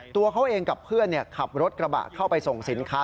ตัวเขาเองกับเพื่อนขับรถกระบะเข้าไปส่งสินค้า